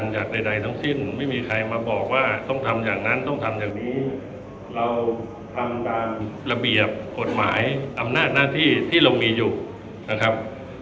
จะรู้ว่าการทำงานทุกวันเราทำงานกันตลอดนะครับ